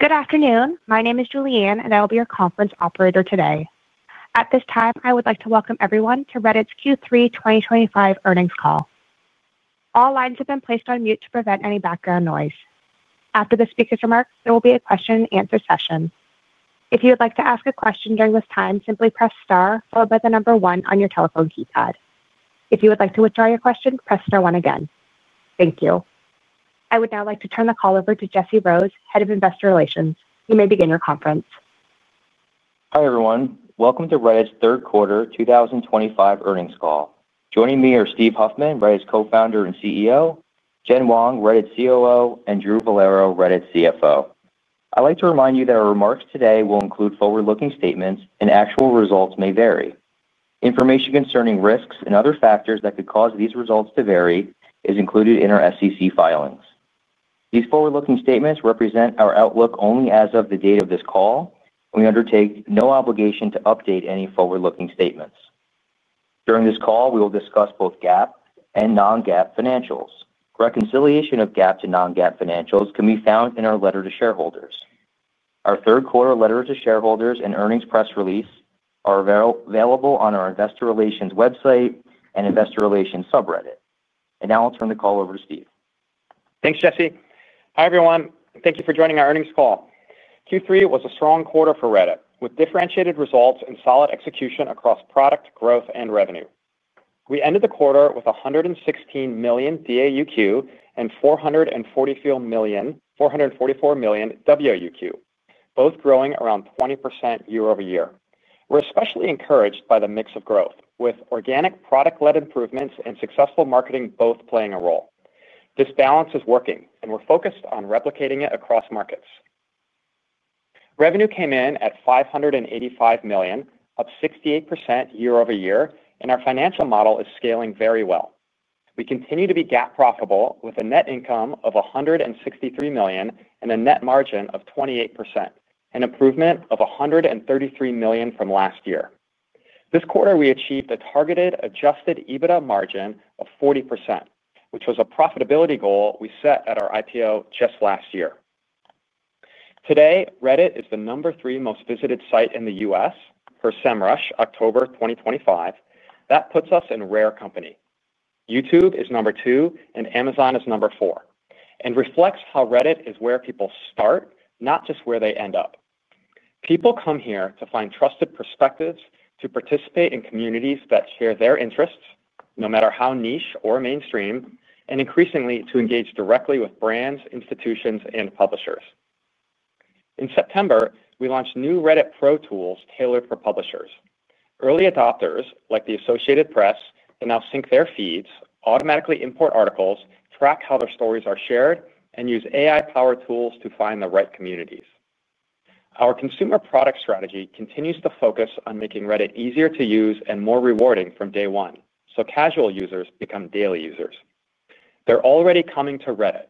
Good afternoon. My name is Julianne, and I will be your conference operator today. At this time, I would like to welcome everyone to Reddit's Q3 2025 earnings call. All lines have been placed on mute to prevent any background noise. After the speaker's remarks, there will be a question-and-answer session. If you would like to ask a question during this time, simply press star followed by the number one on your telephone keypad. If you would like to withdraw your question, press star one again. Thank you. I would now like to turn the call over to Jesse Rose, Head of Investor Relations. You may begin your conference. Hi, everyone. Welcome to Reddit's third quarter 2025 earnings call. Joining me are Steve Huffman, Reddit's Co-Founder and CEO, Jen Wong, Reddit COO, and Drew Vollero, Reddit CFO. I'd like to remind you that our remarks today will include forward-looking statements, and actual results may vary. Information concerning risks and other factors that could cause these results to vary is included in our SEC filings. These forward-looking statements represent our outlook only as of the date of this call, and we undertake no obligation to update any forward-looking statements. During this call, we will discuss both GAAP and non-GAAP financials. Reconciliation of GAAP to non-GAAP financials can be found in our letter to shareholders. Our third quarter letter to shareholders and earnings press release are available on our investor relations website and investor relations subreddit. I'll turn the call over to Steve. Thanks, Jesse. Hi, everyone. Thank you for joining our earnings call. Q3 was a strong quarter for Reddit, with differentiated results and solid execution across product, growth, and revenue. We ended the quarter with 116 million DAUq and 444 million WAUq, both growing around 20% year-over-year. We're especially encouraged by the mix of growth, with organic product-led improvements and successful marketing both playing a role. This balance is working, and we're focused on replicating it across markets. Revenue came in at $585 million, up 68% year-over-year, and our financial model is scaling very well. We continue to be GAAP profitable, with a net income of $163 million and a net margin of 28%, an improvement of $133 million from last year. This quarter, we achieved a targeted adjusted EBITDA margin of 40%, which was a profitability goal we set at our IPO just last year. Today, Reddit is the number three most visited site in the U.S. per Semrush, October 2025. That puts us in rare company. YouTube is number two, and Amazon is number four, and reflects how Reddit is where people start, not just where they end up. People come here to find trusted perspectives, to participate in communities that share their interests, no matter how niche or mainstream, and increasingly to engage directly with brands, institutions, and publishers. In September, we launched new Reddit Pro Tools tailored for publishers. Early adopters, like the Associated Press, can now sync their feeds, automatically import articles, track how their stories are shared, and use AI-powered tools to find the right communities. Our consumer product strategy continues to focus on making Reddit easier to use and more rewarding from day one, so casual users become daily users. They're already coming to Reddit.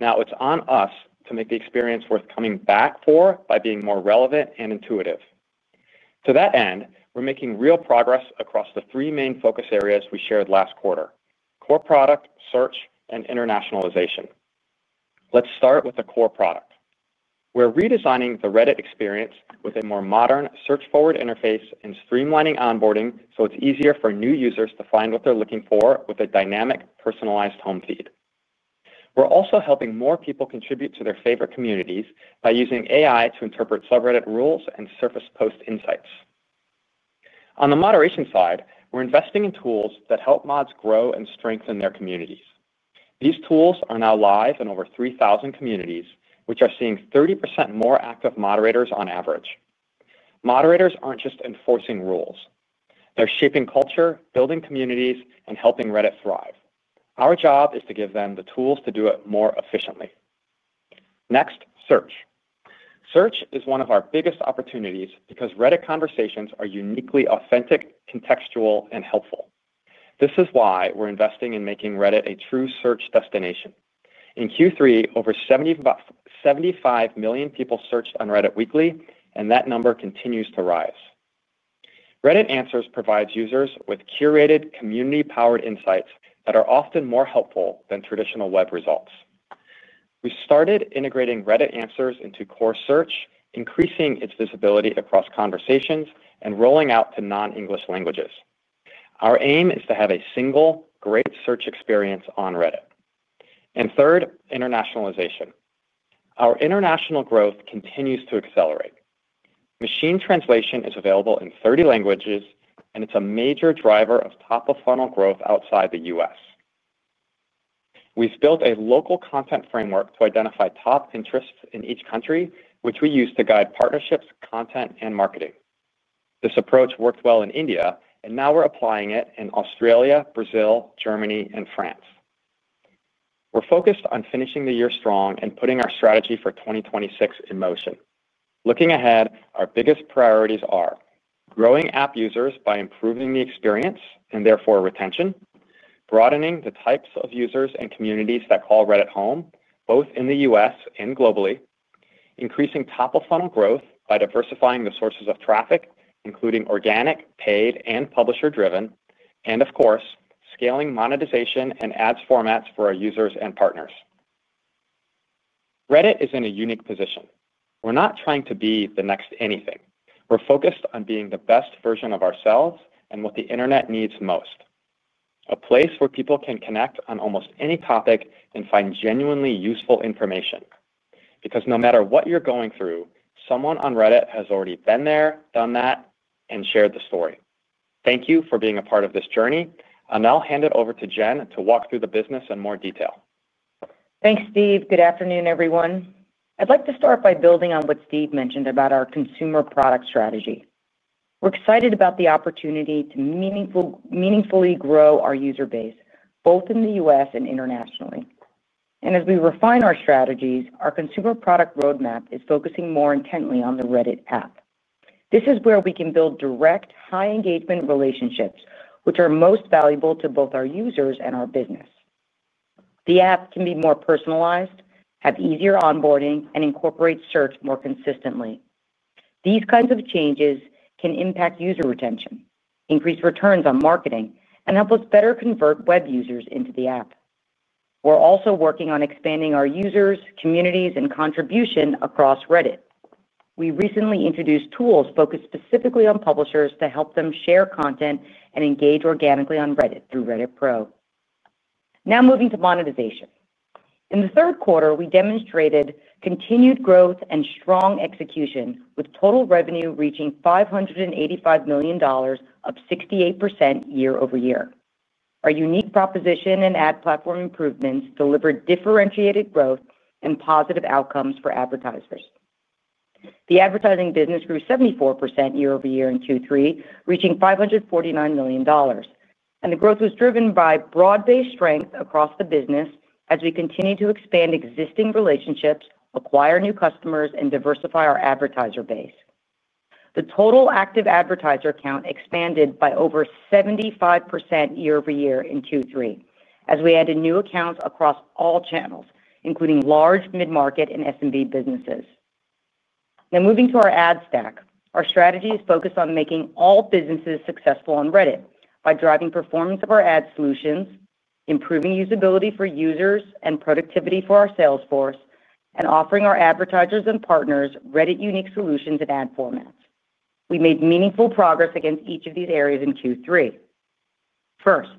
Now it's on us to make the experience worth coming back for by being more relevant and intuitive. To that end, we're making real progress across the three main focus areas we shared last quarter: core product, search, and internationalization. Let's start with the core product. We're redesigning the Reddit experience with a more modern search-forward interface and streamlining onboarding so it's easier for new users to find what they're looking for with a dynamic, personalized home feed. We're also helping more people contribute to their favorite communities by using AI to interpret subreddit rules and surface post insights. On the moderation side, we're investing in tools that help mods grow and strengthen their communities. These tools are now live in over 3,000 communities, which are seeing 30% more active moderators on average. Moderators aren't just enforcing rules. They're shaping culture, building communities, and helping Reddit thrive. Our job is to give them the tools to do it more efficiently. Next, search. Search is one of our biggest opportunities because Reddit conversations are uniquely authentic, contextual, and helpful. This is why we're investing in making Reddit a true search destination. In Q3, over 75 million people searched on Reddit weekly, and that number continues to rise. Reddit Answers provides users with curated, community-powered insights that are often more helpful than traditional web results. We started integrating Reddit Answers into core search, increasing its visibility across conversations, and rolling out to non-English languages. Our aim is to have a single, great search experience on Reddit. Third, internationalization. Our international growth continues to accelerate. Machine translation is available in 30 languages, and it's a major driver of top-of-funnel growth outside the U.S. We've built a local content framework to identify top interests in each country, which we use to guide partnerships, content, and marketing. This approach worked well in India, and now we're applying it in Australia, Brazil, Germany, and France. We're focused on finishing the year strong and putting our strategy for 2026 in motion. Looking ahead, our biggest priorities are growing app users by improving the experience and therefore retention, broadening the types of users and communities that call Reddit home, both in the U.S. and globally, increasing top-of-funnel growth by diversifying the sources of traffic, including organic, paid, and publisher-driven, and of course, scaling monetization and ads formats for our users and partners. Reddit is in a unique position. We're not trying to be the next anything. We're focused on being the best version of ourselves and what the internet needs most. A place where people can connect on almost any topic and find genuinely useful information. Because no matter what you're going through, someone on Reddit has already been there, done that, and shared the story. Thank you for being a part of this journey, and I'll hand it over to Jen to walk through the business in more detail. Thanks, Steve. Good afternoon, everyone. I'd like to start by building on what Steve mentioned about our consumer product strategy. We're excited about the opportunity to meaningfully grow our user base, both in the U.S. and internationally. As we refine our strategies, our consumer product roadmap is focusing more intently on the Reddit app. This is where we can build direct, high-engagement relationships, which are most valuable to both our users and our business. The app can be more personalized, have easier onboarding, and incorporate search more consistently. These kinds of changes can impact user retention, increase returns on marketing, and help us better convert web users into the app. We're also working on expanding our users, communities, and contribution across Reddit. We recently introduced tools focused specifically on publishers to help them share content and engage organically on Reddit through Reddit Pro. Now moving to monetization. In the third quarter, we demonstrated continued growth and strong execution, with total revenue reaching $585 million, up 68% year-over-year. Our unique proposition and ad platform improvements delivered differentiated growth and positive outcomes for advertisers. The advertising business grew 74% year-over-year in Q3, reaching $549 million. The growth was driven by broad-based strength across the business as we continue to expand existing relationships, acquire new customers, and diversify our advertiser base. The total active advertiser count expanded by over 75% year-over-year in Q3 as we added new accounts across all channels, including large, mid-market, and SMB businesses. Now moving to our ad stack, our strategy is focused on making all businesses successful on Reddit by driving performance of our ad solutions, improving usability for users and productivity for our sales force, and offering our advertisers and partners Reddit-unique solutions and ad formats. We made meaningful progress against each of these areas in Q3. First,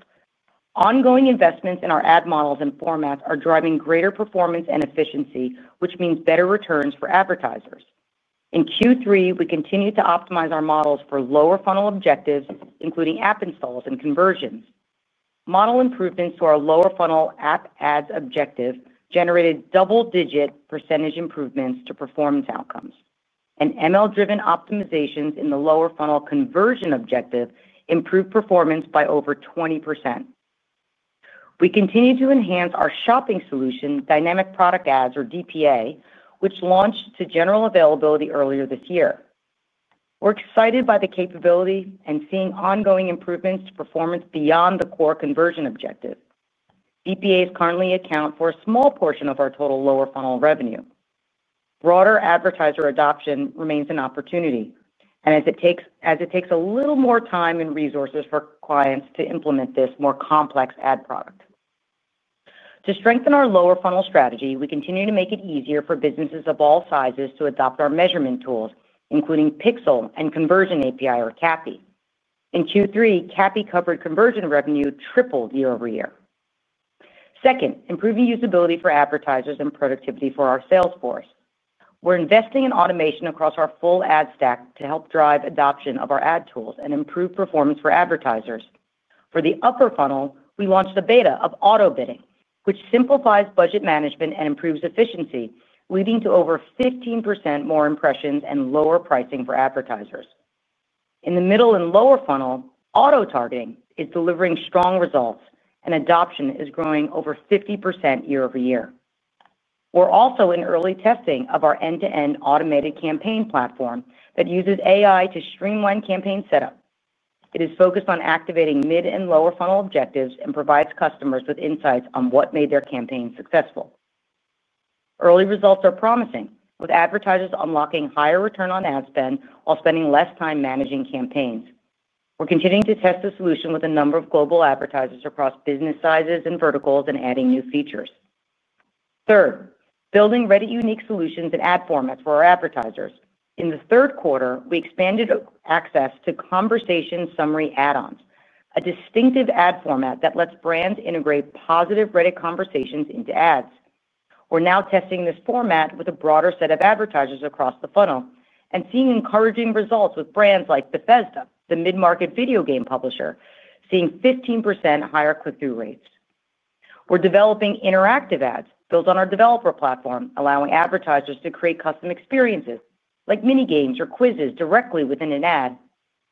ongoing investments in our ad models and formats are driving greater performance and efficiency, which means better returns for advertisers. In Q3, we continued to optimize our models for lower-funnel objectives, including app installs and conversions. Model improvements to our lower-funnel app ads objective generated double-digit percentage improvements to performance outcomes. ML-driven optimizations in the lower-funnel conversion objective improved performance by over 20%. We continue to enhance our shopping solution, Dynamic Product Ads, or DPA, which launched to general availability earlier this year. We're excited by the capability and seeing ongoing improvements to performance beyond the core conversion objective. DPAs currently account for a small portion of our total lower-funnel revenue. Broader advertiser adoption remains an opportunity, as it takes a little more time and resources for clients to implement this more complex ad product. To strengthen our lower-funnel strategy, we continue to make it easier for businesses of all sizes to adopt our measurement tools, including Pixel and Conversion API, or CAPI. In Q3, CAPI-covered conversion revenue tripled year-over-year. Second, improving usability for advertisers and productivity for our sales force. We're investing in automation across our full ad stack to help drive adoption of our ad tools and improve performance for advertisers. For the upper funnel, we launched a beta of auto-bidding, which simplifies budget management and improves efficiency, leading to over 15% more impressions and lower pricing for advertisers. In the middle and lower funnel, auto-targeting is delivering strong results, and adoption is growing over 50% year-over-year. We're also in early testing of our end-to-end automated campaign platform that uses AI to streamline campaign setup. It is focused on activating mid and lower-funnel objectives and provides customers with insights on what made their campaign successful. Early results are promising, with advertisers unlocking higher return on ad spend while spending less time managing campaigns. We're continuing to test the solution with a number of global advertisers across business sizes and verticals and adding new features. Third, building Reddit-unique solutions and ad formats for our advertisers. In the third quarter, we expanded access to Conversation Summary Add-Ons, a distinctive ad format that lets brands integrate positive Reddit conversations into ads. We're now testing this format with a broader set of advertisers across the funnel and seeing encouraging results with brands like Bethesda, the mid-market video game publisher, seeing 15% higher click-through rates. We're developing interactive ads built on our developer platform, allowing advertisers to create custom experiences like mini games or quizzes directly within an ad.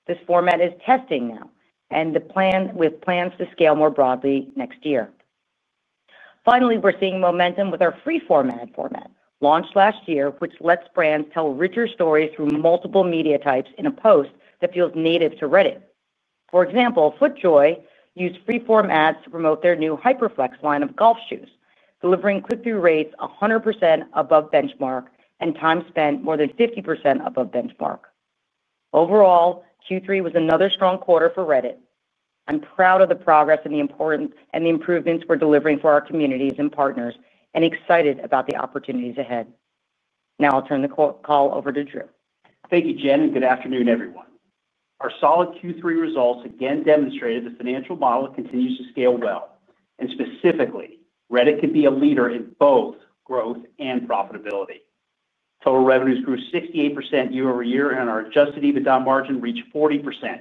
This format is testing now, with plans to scale more broadly next year. Finally, we're seeing momentum with our free-form ad format, launched last year, which lets brands tell richer stories through multiple media types in a post that feels native to Reddit. For example, FootJoy used free-form ads to promote their new HyperFlex line of golf shoes, delivering click-through rates 100% above benchmark and time spent more than 50% above benchmark. Overall, Q3 was another strong quarter for Reddit. I'm proud of the progress and the importance and the improvements we're delivering for our communities and partners, and excited about the opportunities ahead. Now I'll turn the call over to Drew. Thank you, Jen, and good afternoon, everyone. Our solid Q3 results again demonstrated the financial model continues to scale well. Specifically, Reddit could be a leader in both growth and profitability. Total revenues grew 68% year-over-year, and our adjusted EBITDA margin reached 40%,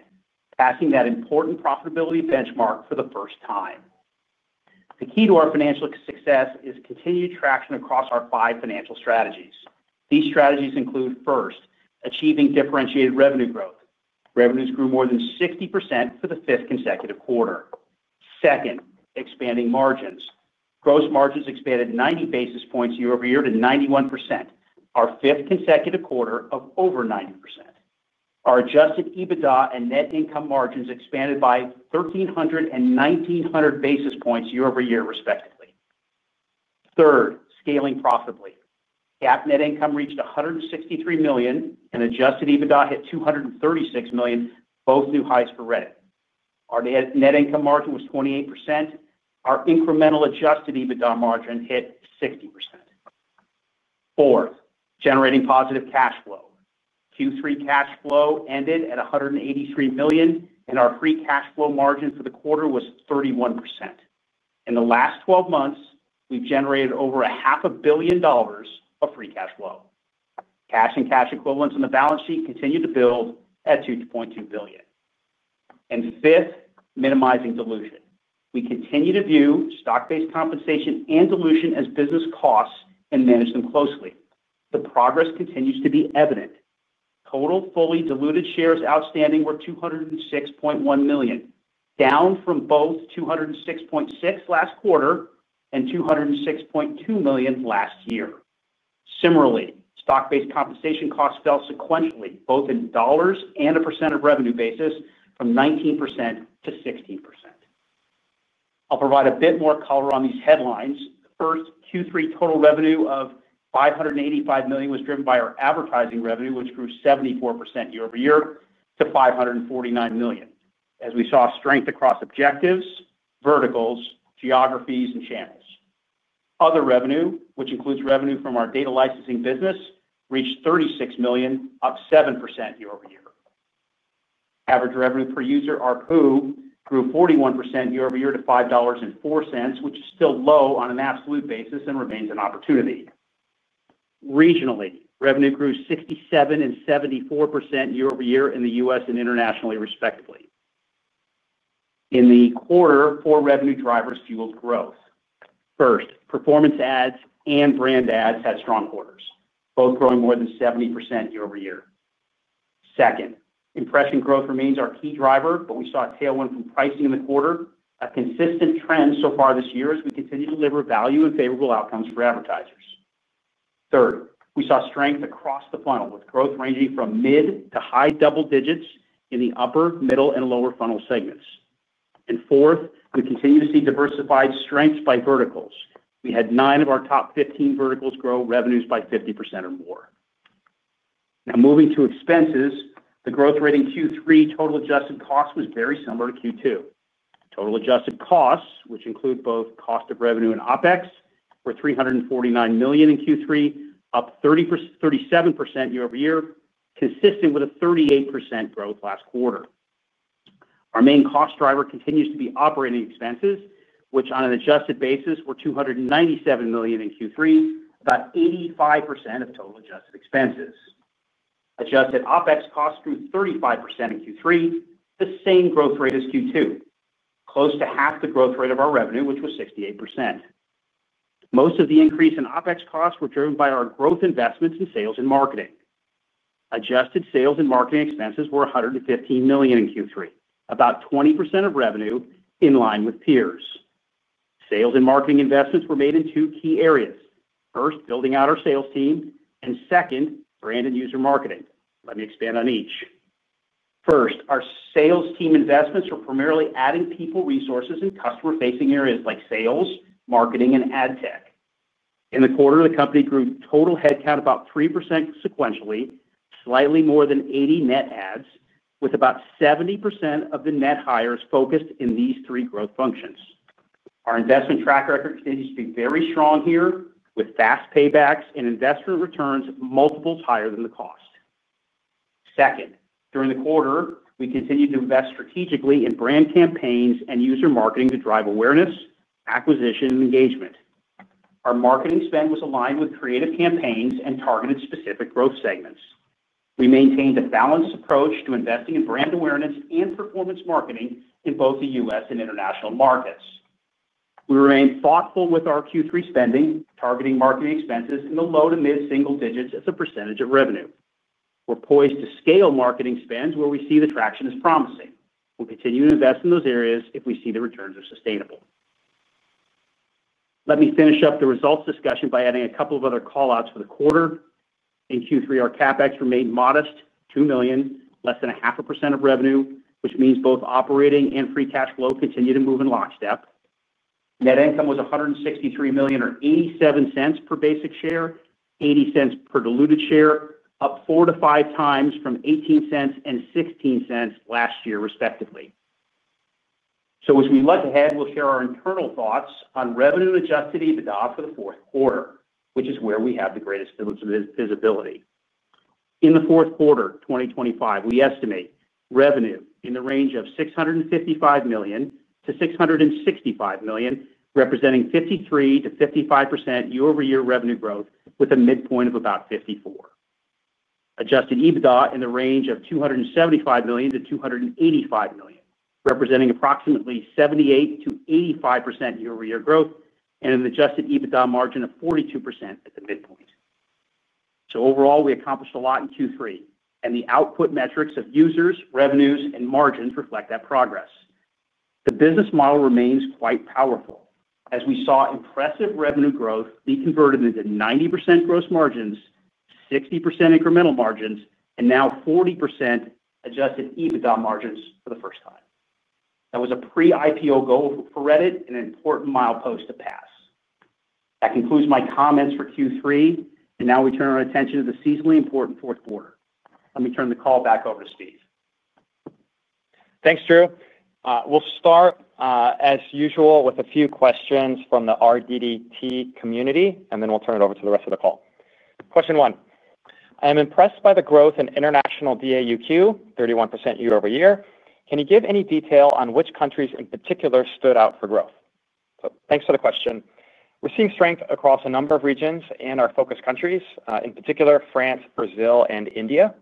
passing that important profitability benchmark for the first time. The key to our financial success is continued traction across our five financial strategies. These strategies include, first, achieving differentiated revenue growth. Revenues grew more than 60% for the fifth consecutive quarter. Second, expanding margins. Gross margins expanded 90 basis points year-over-year to 91%, our fifth consecutive quarter of over 90%. Our adjusted EBITDA and net income margins expanded by 1,300 and 1,900 basis points year-over-year, respectively. Third, scaling profitably. GAAP net income reached $163 million, and adjusted EBITDA hit $236 million, both new highs for Reddit. Our net income margin was 28%. Our incremental adjusted EBITDA margin hit 60%. Fourth, generating positive cash flow. Q3 cash flow ended at $183 million, and our free cash flow margin for the quarter was 31%. In the last 12 months, we've generated over half a billion dollars of free cash flow. Cash and cash equivalents on the balance sheet continue to build at $2.2 billion. Fifth, minimizing dilution. We continue to view stock-based compensation and dilution as business costs and manage them closely. The progress continues to be evident. Total fully diluted shares outstanding were 206.1 million, down from both 206.6 last quarter and 206.2 million last year. Similarly, stock-based compensation costs fell sequentially, both in dollars and a percent of revenue basis, from 19%-16%. I'll provide a bit more color on these headlines. First, Q3 total revenue of $585 million was driven by our advertising revenue, which grew 74% year-over-year to $549 million, as we saw strength across objectives, verticals, geographies, and channels. Other revenue, which includes revenue from our data licensing business, reached $36 million, up 7% year-over-year. Average revenue per user, ARPU, grew 41% year-over-year to $5.04, which is still low on an absolute basis and remains an opportunity. Regionally, revenue grew 67% and 74% year-over-year in the U.S. and internationally, respectively. In the quarter, four revenue drivers fueled growth. First, performance ads and brand ads had strong quarters, both growing more than 70% year-over-year. Second, impression growth remains our key driver, but we saw a tailwind from pricing in the quarter, a consistent trend so far this year as we continue to deliver value and favorable outcomes for advertisers. Third, we saw strength across the funnel, with growth ranging from mid to high double digits in the upper, middle, and lower funnel segments. Fourth, we continue to see diversified strengths by verticals. We had nine of our top 15 verticals grow revenues by 50% or more. Now moving to expenses, the growth rate in Q3 total adjusted costs was very similar to Q2. Total adjusted costs, which include both cost of revenue and OpEx, were $349 million in Q3, up 37% year-over-year, consistent with a 38% growth last quarter. Our main cost driver continues to be operating expenses, which on an adjusted basis were $297 million in Q3, about 85% of total adjusted expenses. Adjusted OpEx costs grew 35% in Q3, the same growth rate as Q2, close to half the growth rate of our revenue, which was 68%. Most of the increase in OpEx costs were driven by our growth investments in sales and marketing. Adjusted sales and marketing expenses were $115 million in Q3, about 20% of revenue, in line with peers. Sales and marketing investments were made in two key areas. First, building out our sales team, and second, brand and user marketing. Let me expand on each. First, our sales team investments were primarily adding people, resources, and customer-facing areas like sales, marketing, and ad tech. In the quarter, the company grew total headcount about 3% sequentially, slightly more than 80 net ads, with about 70% of the net hires focused in these three growth functions. Our investment track record continues to be very strong here, with fast paybacks and investment returns multiples higher than the cost. Second, during the quarter, we continued to invest strategically in brand campaigns and user marketing to drive awareness, acquisition, and engagement. Our marketing spend was aligned with creative campaigns and targeted specific growth segments. We maintained a balanced approach to investing in brand awareness and performance marketing in both the U.S. and international markets. We remained thoughtful with our Q3 spending, targeting marketing expenses in the low to mid-single digits as a percentage of revenue. We're poised to scale marketing spend where we see the traction is promising. We'll continue to invest in those areas if we see the returns are sustainable. Let me finish up the results discussion by adding a couple of other callouts for the quarter. In Q3, our CapEx remained modest, $2 million, less than 0.5% of revenue, which means both operating and free cash flow continued to move in lockstep. Net income was $163 million, or $0.87 per basic share, $0.80 per diluted share, up 4-5x from $0.18 and $0.16 last year, respectively. As we look ahead, we'll share our internal thoughts on revenue and adjusted EBITDA for the fourth quarter, which is where we have the greatest visibility. In the fourth quarter 2025, we estimate revenue in the range of $655 million-$665 million, representing 53%-55% year-over-year revenue growth, with a midpoint of about 54%. Adjusted EBITDA in the range of $275 million-$285 million, representing approximately 78%-85% year-over-year growth, and an adjusted EBITDA margin of 42% at the midpoint. Overall, we accomplished a lot in Q3, and the output metrics of users, revenues, and margins reflect that progress. The business model remains quite powerful. We saw impressive revenue growth, we converted into 90% gross margins, 60% incremental margins, and now 40% adjusted EBITDA margins for the first time. That was a pre-IPO goal for Reddit and an important milepost to pass. That concludes my comments for Q3, and now we turn our attention to the seasonally important fourth quarter. Let me turn the call back over to Steve. Thanks, Drew. We'll start, as usual, with a few questions from the RDDT community, and then we'll turn it over to the rest of the call. Question one. I am impressed by the growth in international DAUq, 31% year-over-year. Can you give any detail on which countries in particular stood out for growth? Thanks for the question. We're seeing strength across a number of regions and our focus countries, in particular France, Brazil, and India.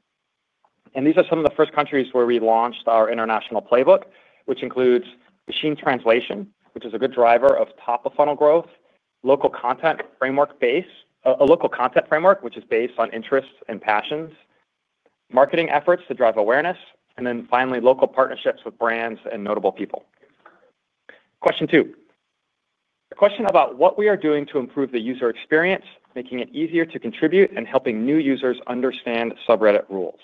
These are some of the first countries where we launched our international playbook, which includes machine translation, which is a good driver of top-of-funnel growth, local content framework, which is based on interests and passions, marketing efforts to drive awareness, and finally, local partnerships with brands and notable people. Question two. A question about what we are doing to improve the user experience, making it easier to contribute, and helping new users understand subreddit rules.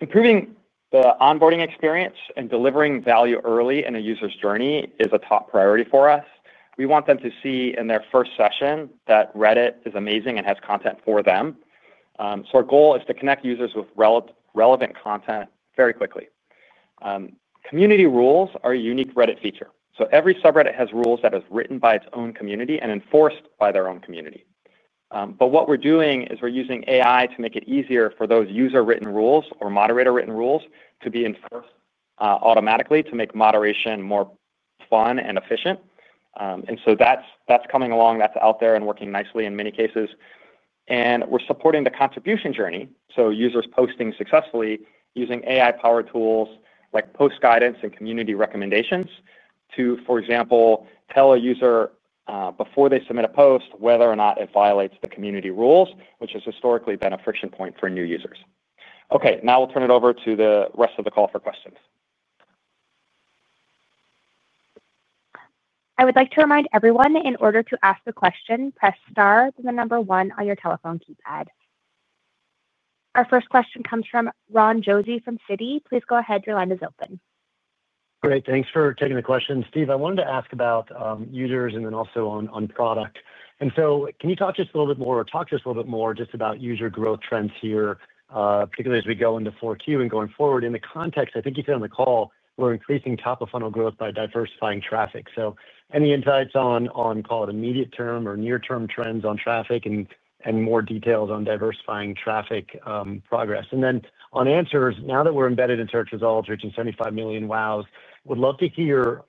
Improving the onboarding experience and delivering value early in a user's journey is a top priority for us. We want them to see in their first session that Reddit is amazing and has content for them. Our goal is to connect users with relevant content very quickly. Community rules are a unique Reddit feature. Every subreddit has rules that are written by its own community and enforced by their own community. What we're doing is we're using AI to make it easier for those user-written rules or moderator-written rules to be enforced automatically to make moderation more fun and efficient. That's coming along. That's out there and working nicely in many cases. We're supporting the contribution journey, so users posting successfully using AI-powered tools like post guidance and community recommendations to, for example, tell a user before they submit a post whether or not it violates the community rules, which has historically been a friction point for new users. Now we'll turn it over to the rest of the call for questions. I would like to remind everyone, in order to ask a question, press star then the number one on your telephone keypad. Our first question comes from Ron Josey from Citi. Please go ahead. Your line is open. Great. Thanks for taking the question. Steve, I wanted to ask about users and then also on product. Can you talk just a little bit more about user growth trends here, particularly as we go into 4Q and going forward? In the context, I think you said on the call, we're increasing top-of-funnel growth by diversifying traffic. Any insights on, call it immediate term or near-term trends on traffic and more details on diversifying traffic progress? On answers, now that we're embedded in search results, reaching 75 million WAUq, would love to hear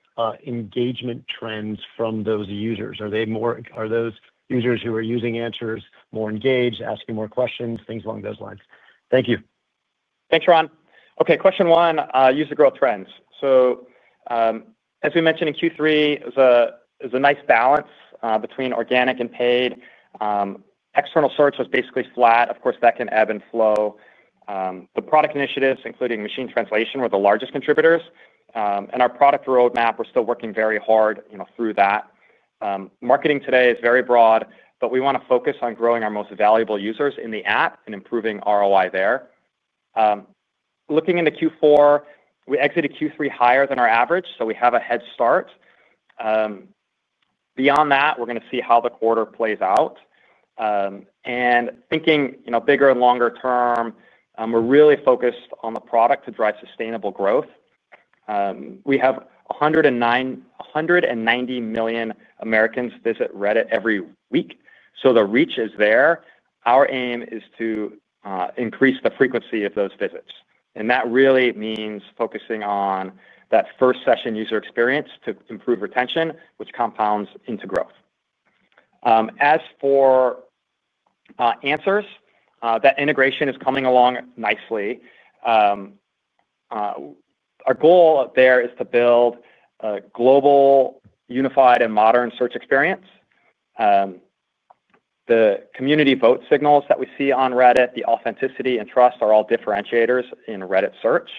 engagement trends from those users. Are those users who are using answers more engaged, asking more questions, things along those lines? Thank you. Thanks, Ron. Okay, question one, user growth trends. As we mentioned in Q3, it was a nice balance between organic and paid. External search was basically flat. Of course, that can ebb and flow. The product initiatives, including machine translation, were the largest contributors. Our product roadmap, we're still working very hard through that. Marketing today is very broad, but we want to focus on growing our most valuable users in the app and improving ROI there. Looking into Q4, we exited Q3 higher than our average, so we have a head start. Beyond that, we're going to see how the quarter plays out. Thinking bigger and longer term, we're really focused on the product to drive sustainable growth. We have 190 million Americans visit Reddit every week, so the reach is there. Our aim is to increase the frequency of those visits. That really means focusing on that first session user experience to improve retention, which compounds into growth. As for answers, that integration is coming along nicely. Our goal there is to build a global, unified, and modern search experience. The community vote signals that we see on Reddit, the authenticity and trust are all differentiators in Reddit search.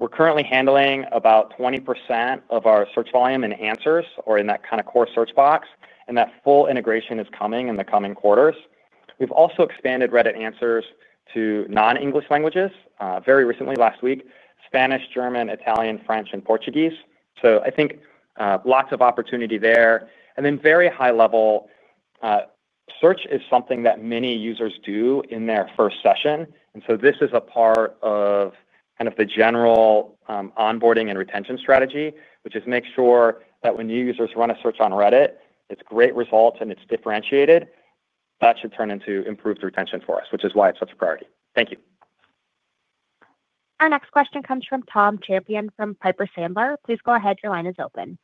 We're currently handling about 20% of our search volume in Answers or in that kind of core search box, and that full integration is coming in the coming quarters. We've also expanded Reddit Answers to non-English languages. Very recently, last week, Spanish, German, Italian, French, and Portuguese. I think lots of opportunity there. Very high level, search is something that many users do in their first session. This is a part of kind of the general onboarding and retention strategy, which is to make sure that when new users run a search on Reddit, it's great results and it's differentiated. That should turn into improved retention for us, which is why it's such a priority. Thank you. Our next question comes from Tom Champion from Piper Sandler. Please go ahead. Your line is open.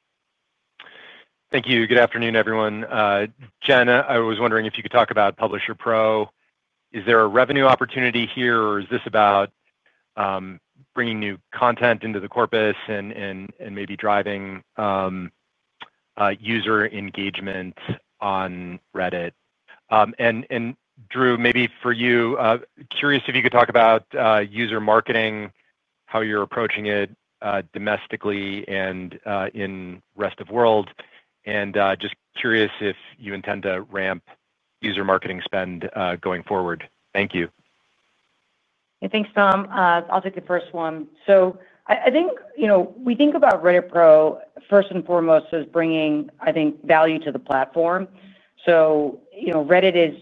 Thank you. Good afternoon, everyone. Jen, I was wondering if you could talk about Publisher Pro. Is there a revenue opportunity here, or is this about bringing new content into the corpus and maybe driving user engagement on Reddit? Drew, maybe for you, curious if you could talk about user marketing, how you're approaching it domestically and in the rest of the world. Just curious if you intend to ramp user marketing spend going forward. Thank you. Thanks, Tom. I'll take the first one. I think we think about Reddit Pro first and foremost as bringing value to the platform. Reddit is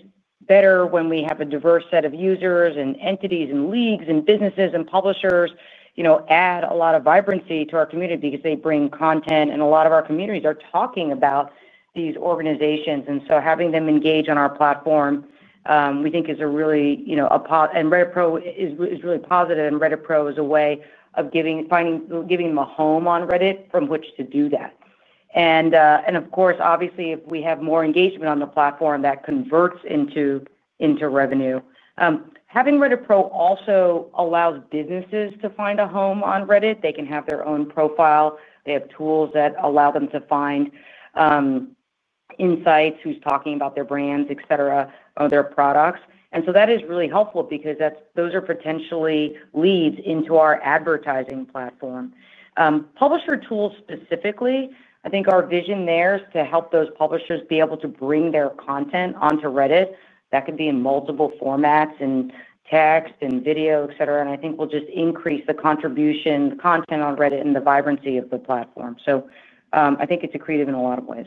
better when we have a diverse set of users and entities and leagues and businesses and publishers. They add a lot of vibrancy to our community because they bring content, and a lot of our communities are talking about these organizations. Having them engage on our platform is really positive, and Reddit Pro is a way of giving them a home on Reddit from which to do that. Of course, if we have more engagement on the platform, that converts into revenue. Having Reddit Pro also allows businesses to find a home on Reddit. They can have their own profile. They have tools that allow them to find insights, who's talking about their brands, etc., or their products. That is really helpful because those are potentially leads into our advertising platform. Publisher tools specifically, I think our vision there is to help those publishers be able to bring their content onto Reddit. That can be in multiple formats and text and video, etc. I think we'll just increase the contribution, the content on Reddit, and the vibrancy of the platform. I think it's accretive in a lot of ways.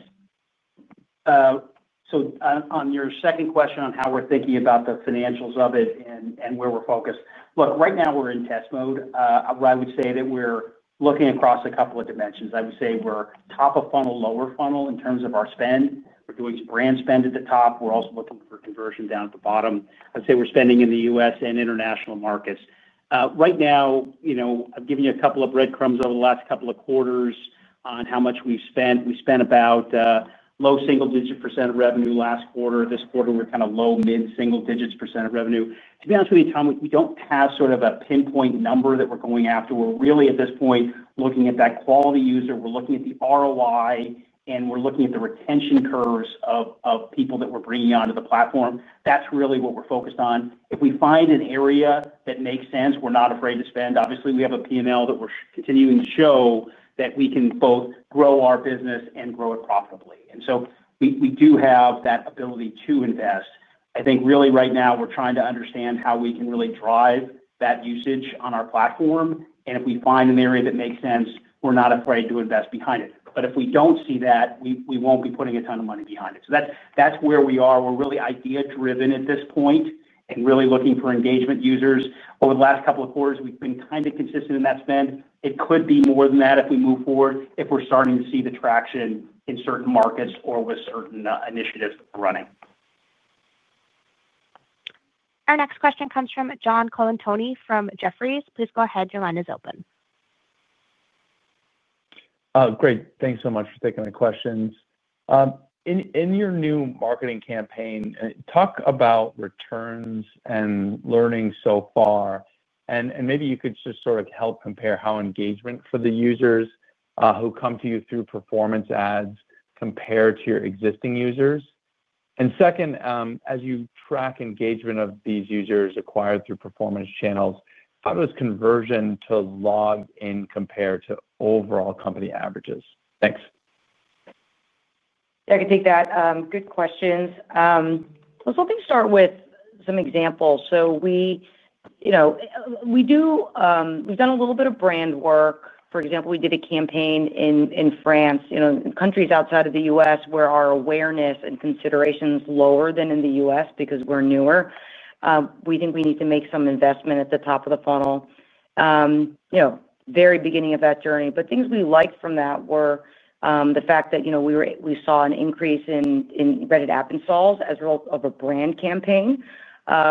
On your second question on how we're thinking about the financials of it and where we're focused, look, right now we're in test mode. I would say that we're looking across a couple of dimensions. I would say we're top-of-funnel, lower funnel in terms of our spend. We're doing brand spend at the top. We're also looking for conversion down at the bottom. I'd say we're spending in the U.S. and international markets right now. I've given you a couple of breadcrumbs over the last couple of quarters on how much we've spent. We spent about low single-digit percentage of revenue last quarter. This quarter, we're kind of low, mid-single digits percentage of revenue. To be honest with you, Tom, we don't have sort of a pinpoint number that we're going after. We're really, at this point, looking at that quality user. We're looking at the ROI, and we're looking at the retention curves of people that we're bringing onto the platform. That's really what we're focused on. If we find an area that makes sense, we're not afraid to spend. Obviously, we have a P&L that we're continuing to show that we can both grow our business and grow it profitably. We do have that ability to invest. I think really right now, we're trying to understand how we can really drive that usage on our platform. If we find an area that makes sense, we're not afraid to invest behind it. If we don't see that, we won't be putting a ton of money behind it. That's where we are. We're really idea-driven at this point and really looking for engagement users. Over the last couple of quarters, we've been kind of consistent in that spend. It could be more than that if we move forward, if we're starting to see the traction in certain markets or with certain initiatives that we're running. Our next question comes from John Colantuoni from Jefferies. Please go ahead. Your line is open. Great. Thanks so much for taking my questions. In your new marketing campaign, talk about returns and learning so far. Maybe you could just sort of help compare how engagement for the users who come to you through performance ads compare to your existing users. As you track engagement of these users acquired through performance channels, how does conversion to log in compare to overall company averages? Thanks. I can take that. Good questions. Let's start with some examples. We've done a little bit of brand work. For example, we did a campaign in France, in countries outside of the U.S. where our awareness and consideration is lower than in the U.S. because we're newer. We think we need to make some investment at the top of the funnel, very beginning of that journey. Things we liked from that were the fact that we saw an increase in Reddit app installs as a result of a brand campaign,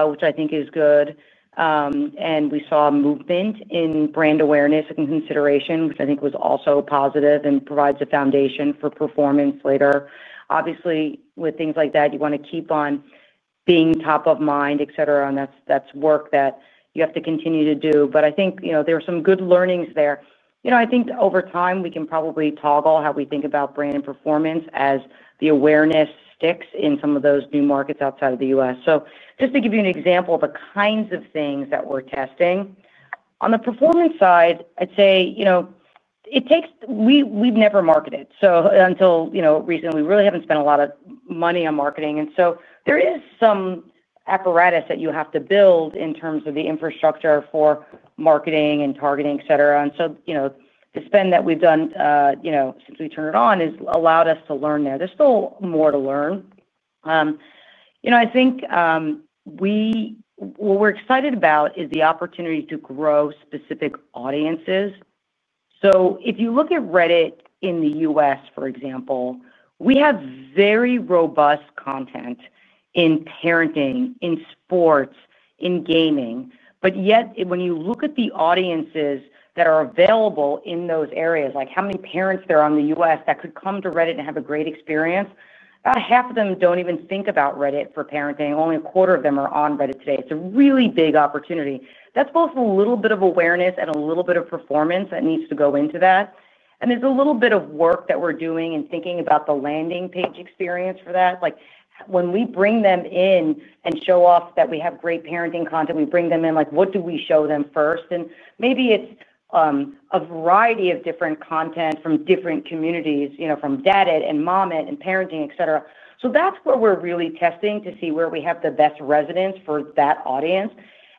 which I think is good. We saw movement in brand awareness and consideration, which I think was also positive and provides a foundation for performance later. Obviously, with things like that, you want to keep on being top of mind, etc. That's work that you have to continue to do. I think there are some good learnings there. I think over time, we can probably toggle how we think about brand and performance as the awareness sticks in some of those new markets outside of the U.S. Just to give you an example of the kinds of things that we're testing. On the performance side, I'd say we've never marketed until recently. We really haven't spent a lot of money on marketing, and there is some apparatus that you have to build in terms of the infrastructure for marketing and targeting, etc. The spend that we've done since we turned it on has allowed us to learn there. There's still more to learn. I think what we're excited about is the opportunity to grow specific audiences. If you look at Reddit in the U.S., for example, we have very robust content in parenting, in sports, in gaming. Yet, when you look at the audiences that are available in those areas, like how many parents there are in the U.S. that could come to Reddit and have a great experience, about half of them don't even think about Reddit for parenting. Only a quarter of them are on Reddit today. It's a really big opportunity. That's both a little bit of awareness and a little bit of performance that needs to go into that. There's a little bit of work that we're doing in thinking about the landing page experience for that. When we bring them in and show off that we have great parenting content, we bring them in, what do we show them first? Maybe it's a variety of different content from different communities, from daddit and mommit and parenting, etc. That's where we're really testing to see where we have the best resonance for that audience.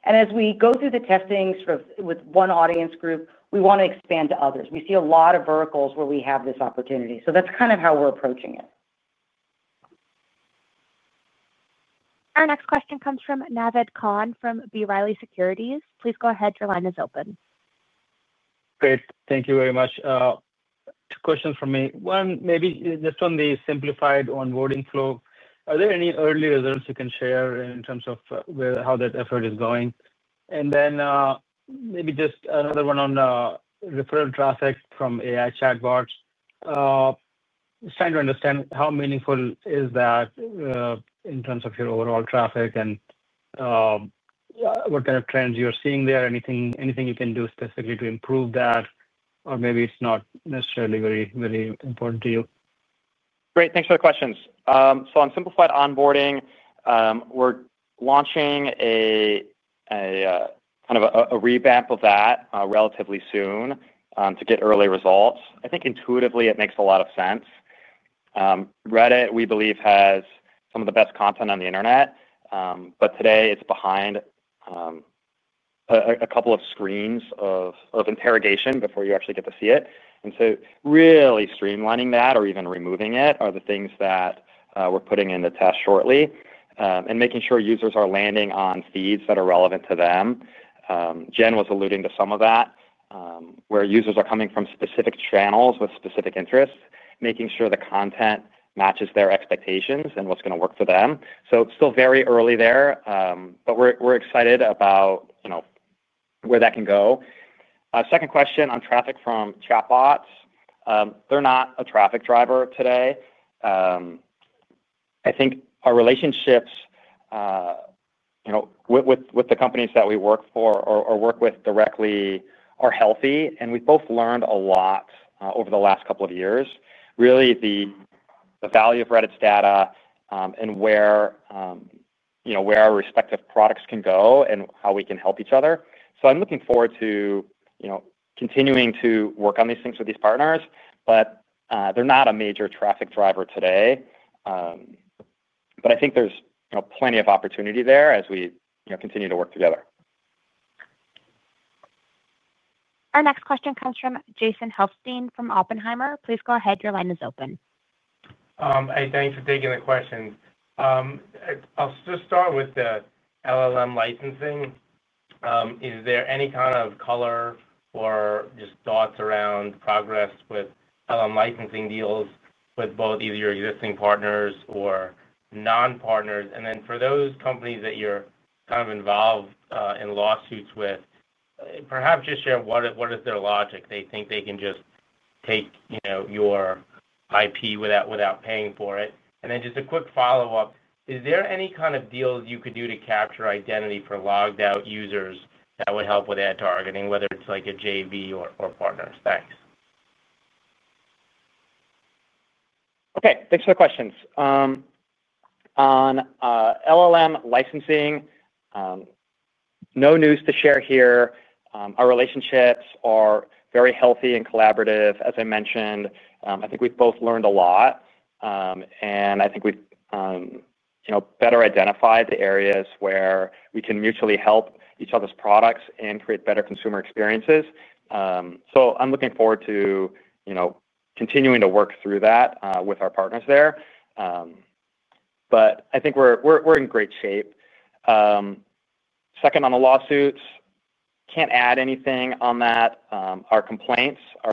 As we go through the testing with one audience group, we want to expand to others. We see a lot of verticals where we have this opportunity. That's kind of how we're approaching it. Our next question comes from Naved Khan from B. Riley Securities. Please go ahead. Your line is open. Great. Thank you very much. Two questions for me. One, maybe just on the simplified onboarding flow. Are there any early results you can share in terms of how that effort is going? Maybe just another one on referral traffic from AI chatbots. Just trying to understand how meaningful is that in terms of your overall traffic and what kind of trends you're seeing there. Anything you can do specifically to improve that? Maybe it's not necessarily very important to you. Great. Thanks for the questions. On simplified onboarding, we're launching a kind of a revamp of that relatively soon to get early results. I think intuitively, it makes a lot of sense. Reddit, we believe, has some of the best content on the internet, but today it's behind a couple of screens of interrogation before you actually get to see it. Really streamlining that or even removing it are the things that we're putting in the test shortly and making sure users are landing on feeds that are relevant to them. Jen was alluding to some of that, where users are coming from specific channels with specific interests, making sure the content matches their expectations and what's going to work for them. It's still very early there, but we're excited about where that can go. Second question on traffic from chatbots. They're not a traffic driver today. I think our relationships with the companies that we work with directly are healthy, and we've both learned a lot over the last couple of years. Really, the value of Reddit's data and where our respective products can go and how we can help each other. I'm looking forward to continuing to work on these things with these partners, but they're not a major traffic driver today. I think there's plenty of opportunity there as we continue to work together. Our next question comes from Jason Helfstein from Oppenheimer. Please go ahead. Your line is open. Hey, thanks for taking the question. I'll just start with the LLM licensing. Is there any kind of color or just thoughts around progress with LLM licensing deals with both either your existing partners or non-partners? For those companies that you're kind of involved in lawsuits with, perhaps just share what is their logic. They think they can just take your IP without paying for it. Just a quick follow-up, is there any kind of deals you could do to capture identity for logged-out users that would help with ad targeting, whether it's like a JV or partners? Thanks. Okay. Thanks for the questions. On LLM licensing, no news to share here. Our relationships are very healthy and collaborative. As I mentioned, I think we've both learned a lot, and I think we've better identified the areas where we can mutually help each other's products and create better consumer experiences. I'm looking forward to continuing to work through that with our partners there. I think we're in great shape. Second, on the lawsuits, can't add anything on that. Our complaints are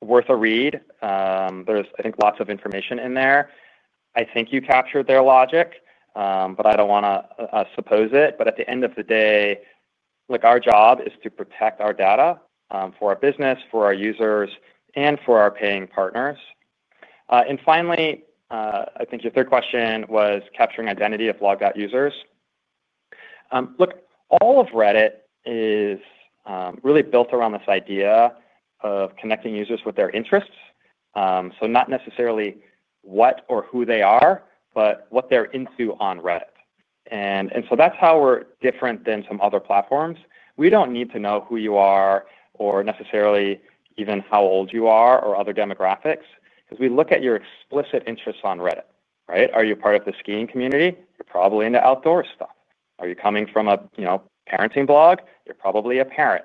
worth a read. There's, I think, lots of information in there. I think you captured their logic, but I don't want to suppose it. At the end of the day, our job is to protect our data for our business, for our users, and for our paying partners. Finally, I think your third question was capturing identity of logged-out users. Look, all of Reddit is really built around this idea of connecting users with their interests. Not necessarily what or who they are, but what they're into on Reddit. That's how we're different than some other platforms. We don't need to know who you are or necessarily even how old you are or other demographics because we look at your explicit interests on Reddit, right? Are you part of the skiing community? You're probably into outdoor stuff. Are you coming from a parenting blog? You're probably a parent.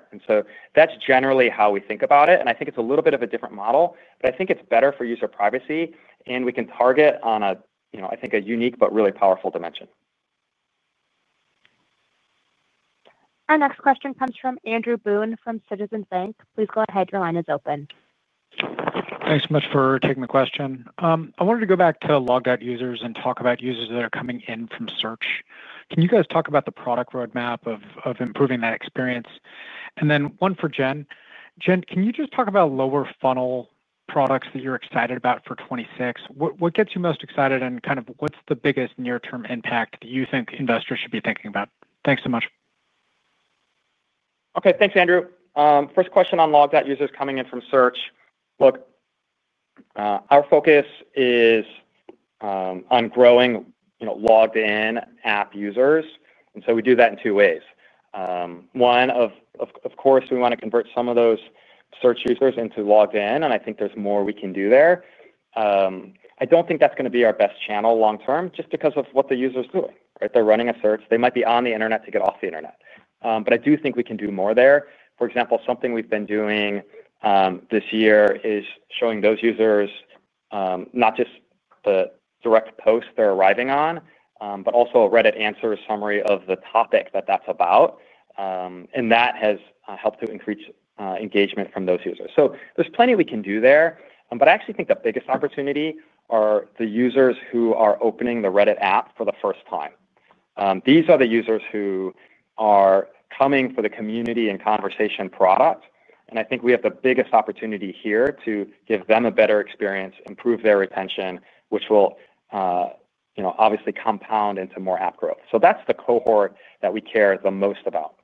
That's generally how we think about it. I think it's a little bit of a different model, but I think it's better for user privacy, and we can target on, I think, a unique but really powerful dimension. Our next question comes from Andrew Boone from Citizens Bank. Please go ahead. Your line is open. Thanks so much for taking the question. I wanted to go back to logged-out users and talk about users that are coming in from search. Can you guys talk about the product roadmap of improving that experience? One for Jen. Jen, can you just talk about lower-funnel products that you're excited about for 2026? What gets you most excited, and kind of what's the biggest near-term impact that you think investors should be thinking about? Thanks so much. Okay. Thanks, Andrew. First question on logged-out users coming in from search. Look. Our focus is on growing logged-in app users, and we do that in two ways. One, of course, we want to convert some of those search users into logged-in, and I think there's more we can do there. I don't think that's going to be our best channel long-term just because of what the user's doing, right? They're running a search. They might be on the internet to get off the internet. I do think we can do more there. For example, something we've been doing this year is showing those users not just the direct posts they're arriving on, but also a Reddit Answers summary of the topic that that's about. That has helped to increase engagement from those users. There's plenty we can do there. I actually think the biggest opportunity are the users who are opening the Reddit app for the first time. These are the users who are coming for the community and conversation product, and I think we have the biggest opportunity here to give them a better experience, improve their retention, which will obviously compound into more app growth. That's the cohort that we care the most about.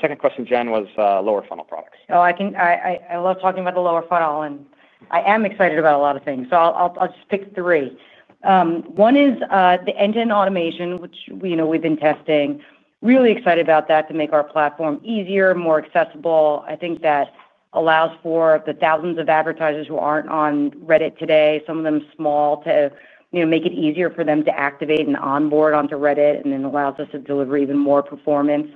Second question, Jen, was lower-funnel products. Oh, I love talking about the lower funnel, and I am excited about a lot of things. I'll just pick three. One is the engine automation, which we've been testing. Really excited about that to make our platform easier, more accessible. I think that allows for the thousands of advertisers who aren't on Reddit today, some of them small, to make it easier for them to activate and onboard onto Reddit and then allows us to deliver even more performance.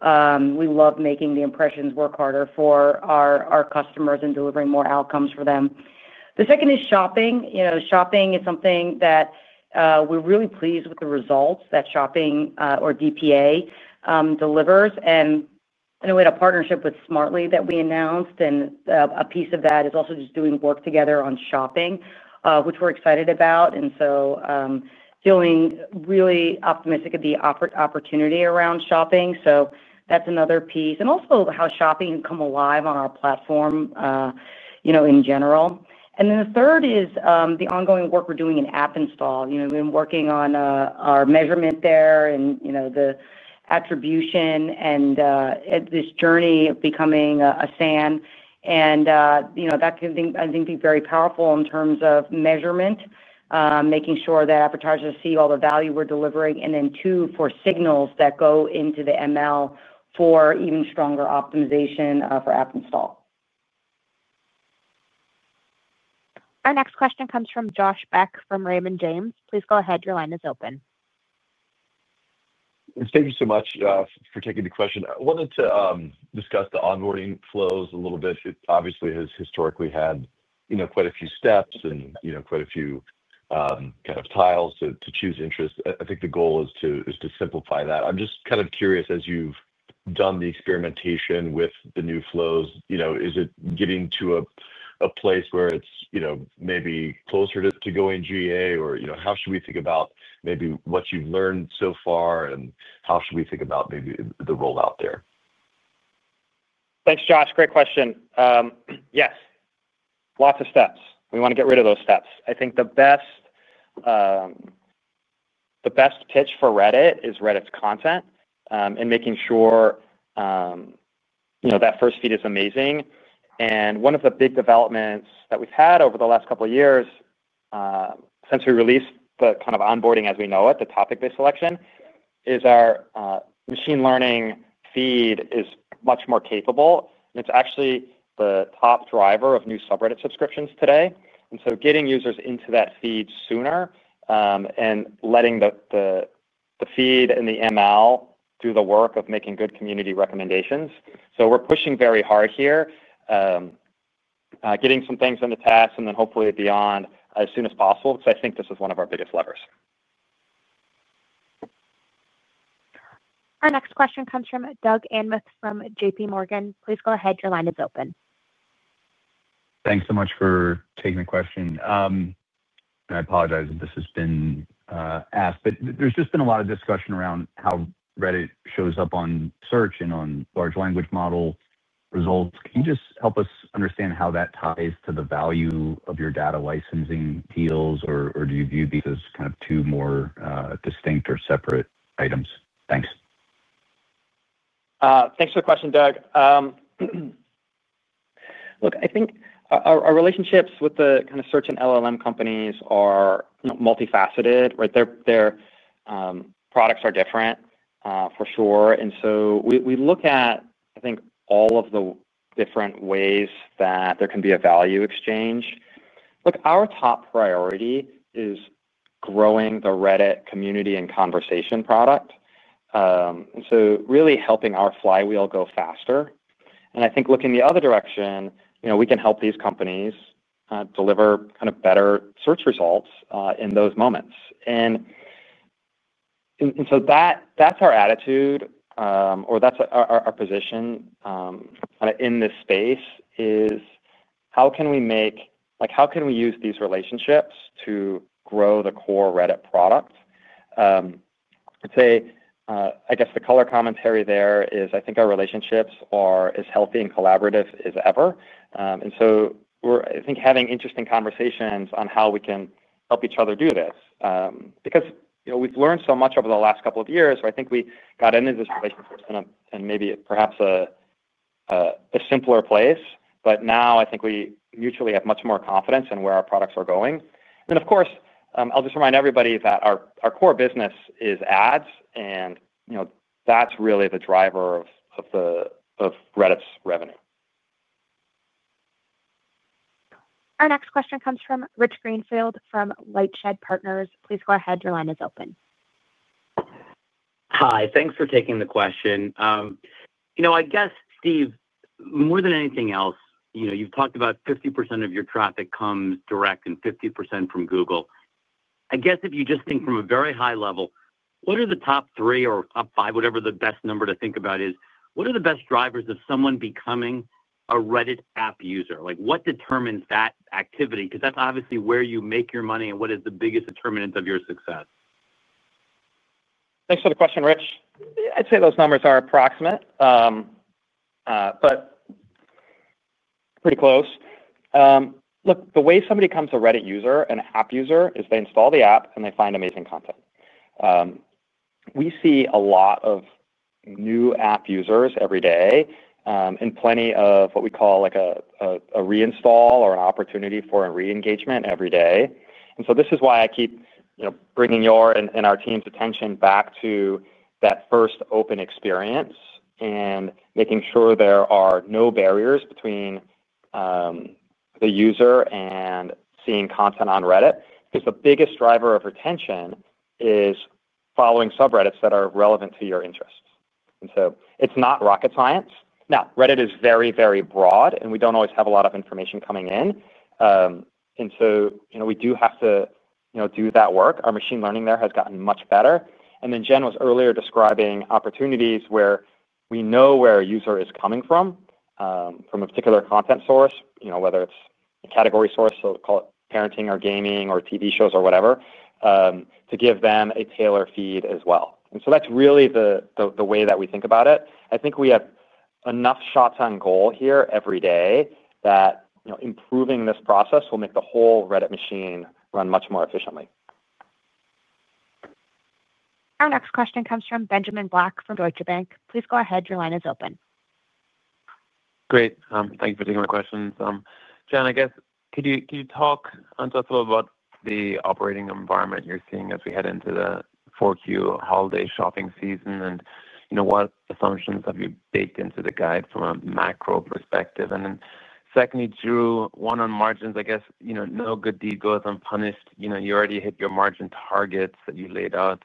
We love making the impressions work harder for our customers and delivering more outcomes for them. The second is shopping. Shopping is something that we're really pleased with, the results that shopping or DPA delivers. In a way, the partnership with Smartly that we announced, and a piece of that is also just doing work together on shopping, which we're excited about. Feeling really optimistic of the opportunity around shopping. That's another piece, and also how shopping can come alive on our platform in general. The third is the ongoing work we're doing in app install. We've been working on our measurement there and the attribution. This journey of becoming a SAN and, I think, be very powerful in terms of measurement, making sure that advertisers see all the value we're delivering, and then two, for signals that go into the ML for even stronger optimization for app install. Our next question comes from Josh Beck from Raymond James. Please go ahead. Your line is open. Thank you so much for taking the question. I wanted to discuss the onboarding flows a little bit. It obviously has historically had quite a few steps and quite a few tiles to choose interests. I think the goal is to simplify that. I'm just kind of curious, as you've done the experimentation with the new flows, is it getting to a place where it's maybe closer to going GA? How should we think about maybe what you've learned so far, and how should we think about maybe the rollout there? Thanks, Josh. Great question. Yes, lots of steps. We want to get rid of those steps. I think the best pitch for Reddit is Reddit's content and making sure that first feed is amazing. One of the big developments that we've had over the last couple of years since we released the kind of onboarding as we know it, the topic-based selection, is our machine learning feed is much more capable. It's actually the top driver of new subreddit subscriptions today. Getting users into that feed sooner and letting the feed and the ML do the work of making good community recommendations is important. We're pushing very hard here, getting some things in the test and then hopefully beyond as soon as possible because I think this is one of our biggest levers. Our next question comes from Doug Anmuth from JPMorgan. Please go ahead. Your line is open. Thanks so much for taking the question. I apologize if this has been asked, but there's just been a lot of discussion around how Reddit shows up on search and on large language model results. Can you just help us understand how that ties to the value of your data licensing deals, or do you view these as kind of two more distinct or separate items? Thanks. Thanks for the question, Doug. Look, I think our relationships with the kind of search and LLM companies are multifaceted, right? Their products are different, for sure. We look at, I think, all of the different ways that there can be a value exchange. Our top priority is growing the Reddit community and conversation product, really helping our flywheel go faster. I think looking the other direction, we can help these companies deliver kind of better search results in those moments. That’s our attitude, or that’s our position in this space, is how can we make, how can we use these relationships to grow the core Reddit product? I’d say, I guess the color commentary there is I think our relationships are as healthy and collaborative as ever. I think having interesting conversations on how we can help each other do this because we’ve learned so much over the last couple of years. I think we got into this relationship in maybe perhaps a simpler place, but now I think we mutually have much more confidence in where our products are going. Of course, I’ll just remind everybody that our core business is ads, and that’s really the driver of Reddit’s revenue. Our next question comes from Rich Greenfield from LightShed Partners. Please go ahead. Your line is open. Hi. Thanks for taking the question. Steve, more than anything else, you've talked about 50% of your traffic comes direct and 50% from Google. If you just think from a very high level, what are the top three or top five, whatever the best number to think about is, what are the best drivers of someone becoming a Reddit app user? What determines that activity? That's obviously where you make your money and what is the biggest determinant of your success. Thanks for the question, Rich. I'd say those numbers are approximate, but pretty close. Look, the way somebody becomes a Reddit user and an app user is they install the app and they find amazing content. We see a lot of new app users every day and plenty of what we call a reinstall or an opportunity for a re-engagement every day. This is why I keep bringing your and our team's attention back to that first open experience and making sure there are no barriers between the user and seeing content on Reddit, because the biggest driver of retention is following subreddits that are relevant to your interests. It's not rocket science. Reddit is very, very broad, and we don't always have a lot of information coming in, so we do have to do that work. Our machine learning there has gotten much better. Jen was earlier describing opportunities where we know where a user is coming from, from a particular content source, whether it's a category source, so call it parenting or gaming or TV shows or whatever, to give them a tailored feed as well. That's really the way that we think about it. I think we have enough shots on goal here every day that improving this process will make the whole Reddit machine run much more efficiently. Our next question comes from Benjamin Black from Deutsche Bank. Please go ahead. Your line is open. Great. Thank you for taking my questions. Jen, I guess, can you talk to us a little about the operating environment you're seeing as we head into the 4Q holiday shopping season? What assumptions have you baked into the guide from a macro perspective? Secondly, Drew, one on margins, I guess, no good deed goes unpunished. You already hit your margin targets that you laid out,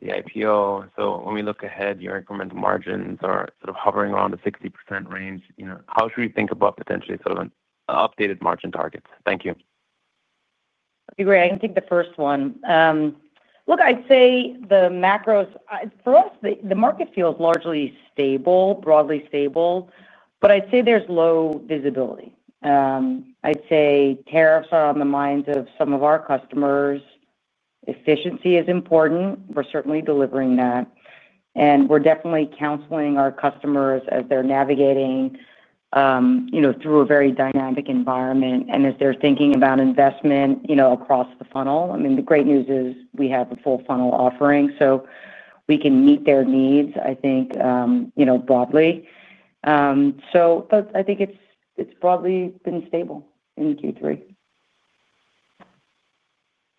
the IPO. When we look ahead, your incremental margins are sort of hovering around the 60% range. How should we think about potentially sort of an updated margin target? Thank you. I agree. I can take the first one. Look, I'd say the macros, for us, the market feels largely stable, broadly stable, but I'd say there's low visibility. Tariffs are on the minds of some of our customers. Efficiency is important. We're certainly delivering that. We're definitely counseling our customers as they're navigating through a very dynamic environment and as they're thinking about investment across the funnel. The great news is we have a full funnel offering so we can meet their needs, I think, broadly. I think it's broadly been stable in Q3.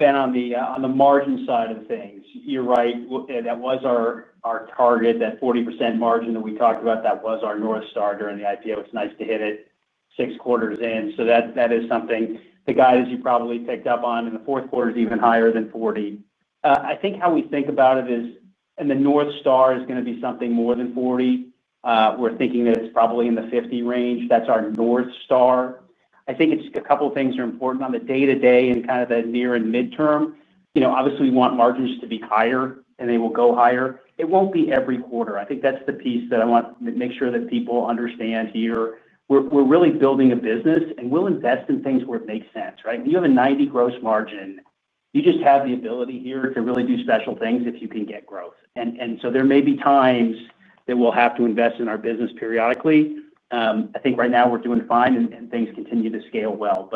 Ben, on the margin side of things, you're right. That was our target, that 40% margin that we talked about. That was our north star during the IPO. It's nice to hit it six quarters in. That is something the guide has probably picked up on, and the fourth quarter is even higher than 40%. I think how we think about it is the north star is going to be something more than 40%. We're thinking that it's probably in the 50% range. That's our north star. I think a couple of things are important on the day-to-day and kind of the near and midterm. Obviously, we want margins to be higher, and they will go higher. It won't be every quarter. I think that's the piece that I want to make sure that people understand here. We're really building a business, and we'll invest in things where it makes sense, right? You have a 90% gross margin. You just have the ability here to really do special things if you can get growth. There may be times that we'll have to invest in our business periodically. I think right now we're doing fine and things continue to scale well.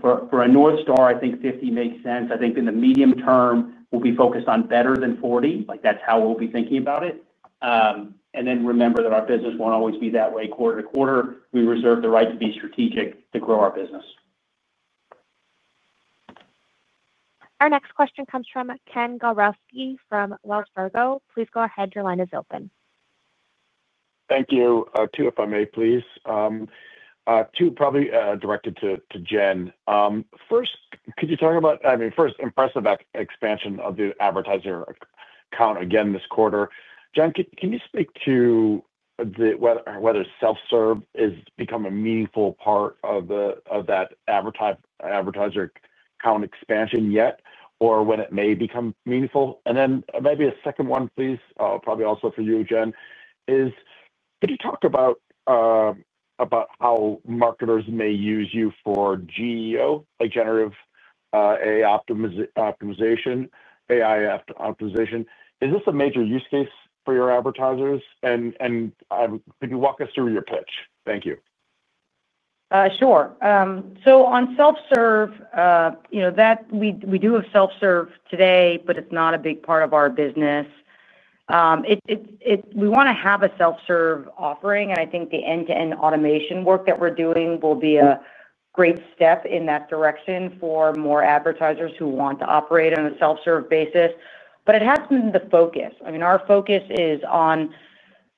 For a north star, I think 50% makes sense. I think in the medium term, we'll be focused on better than 40%. That's how we'll be thinking about it. Remember that our business won't always be that way quarter to quarter. We reserve the right to be strategic to grow our business. Our next question comes from Ken Gawrelski from Wells Fargo. Please go ahead. Your line is open. Thank you. Two, if I may, please. Two, probably directed to Jen. First, could you talk about, I mean, first, impressive expansion of the advertiser count again this quarter. Jen, can you speak to whether self-serve has become a meaningful part of that advertiser count expansion yet or when it may become meaningful? Maybe a second one, please, probably also for you, Jen, is could you talk about how marketers may use you for GEO, like generative AI optimization? Is this a major use case for your advertisers? Could you walk us through your pitch? Thank you. Sure. On self-serve, we do have self-serve today, but it's not a big part of our business. We want to have a self-serve offering, and I think the end-to-end automation work that we're doing will be a great step in that direction for more advertisers who want to operate on a self-serve basis. It has been the focus. Our focus is on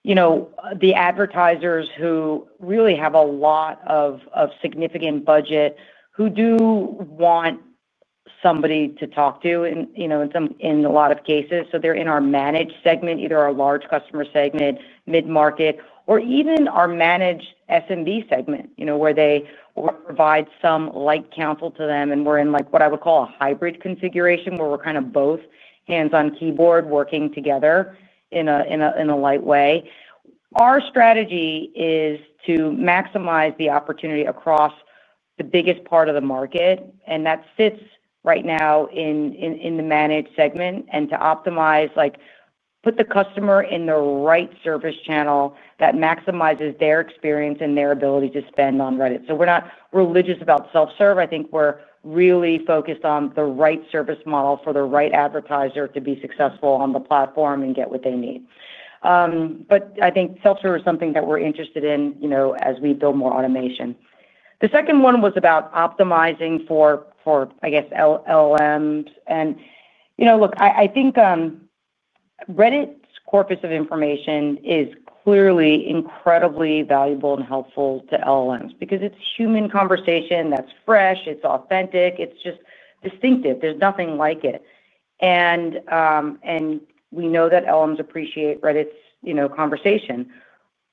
the advertisers who really have a lot of significant budget, who do want somebody to talk to in a lot of cases. They're in our managed segment, either our large customer segment, mid-market, or even our managed SMB segment where they provide some light counsel to them. We're in what I would call a hybrid configuration where we're both hands on keyboard working together in a light way. Our strategy is to maximize the opportunity across the biggest part of the market, and that sits right now in the managed segment and to optimize, put the customer in the right service channel that maximizes their experience and their ability to spend on Reddit. We're not religious about self-serve. I think we're really focused on the right service model for the right advertiser to be successful on the platform and get what they need. I think self-serve is something that we're interested in as we build more automation. The second one was about optimizing for, I guess, LLMs. Reddit's corpus of information is clearly incredibly valuable and helpful to LLMs because it's human conversation that's fresh. It's authentic. It's just distinctive. There's nothing like it. We know that LLMs appreciate Reddit's conversation.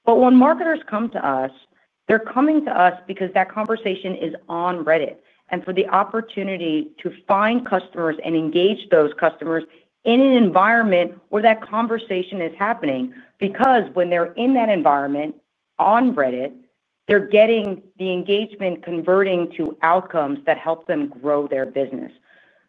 When marketers come to us, they're coming to us because that conversation is on Reddit and for the opportunity to find customers and engage those customers in an environment where that conversation is happening because when they're in that environment on Reddit, they're getting the engagement converting to outcomes that help them grow their business.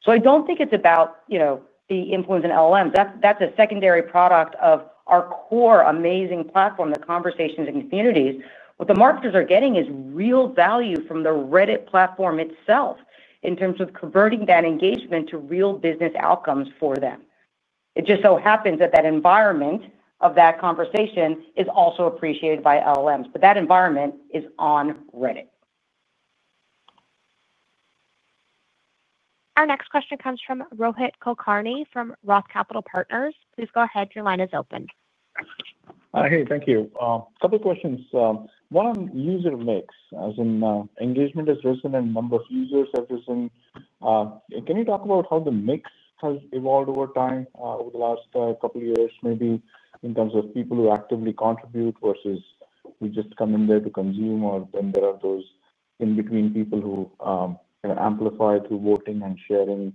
I don't think it's about the influence in LLMs. That's a secondary product of our core amazing platform, the conversations and communities. What the marketers are getting is real value from the Reddit platform itself in terms of converting that engagement to real business outcomes for them. It just so happens that that environment of that conversation is also appreciated by LLMs, but that environment is on Reddit. Our next question comes from Rohit Kulkarni from ROTH Capital Partners. Please go ahead. Your line is open. Hey, thank you. A couple of questions. One on user mix, as in engagement has risen in number of users ever since. Can you talk about how the mix has evolved over time over the last couple of years, maybe in terms of people who actively contribute versus who just come in there to consume or then there are those in-between people who amplify through voting and sharing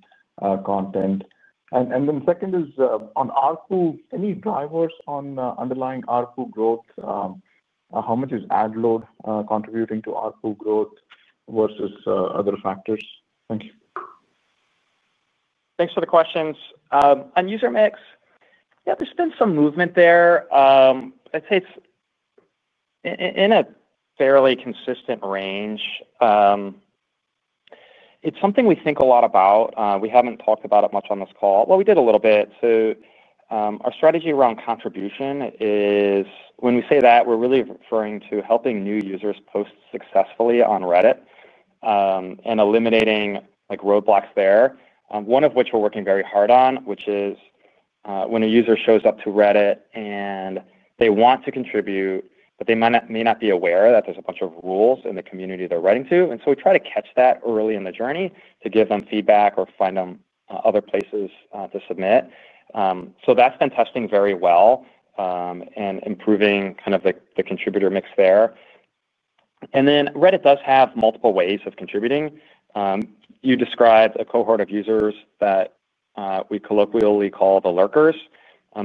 content? The second is on ARPU, any drivers on underlying ARPU growth? How much is ad load contributing to ARPU growth versus other factors? Thank you. Thanks for the questions. On user mix, yeah, there's been some movement there. I'd say it's in a fairly consistent range. It's something we think a lot about. We haven't talked about it much on this call. Our strategy around contribution is when we say that, we're really referring to helping new users post successfully on Reddit and eliminating roadblocks there, one of which we're working very hard on, which is when a user shows up to Reddit and they want to contribute, but they may not be aware that there's a bunch of rules in the community they're writing to. We try to catch that early in the journey to give them feedback or find them other places to submit. That's been testing very well and improving kind of the contributor mix there. Reddit does have multiple ways of contributing. You described a cohort of users that we colloquially call the lurkers.